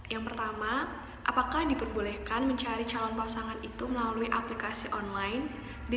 yang pertama apakah diperbolehkan mencari calon pasangan itu melalui aplikasi online